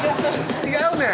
⁉違うねん！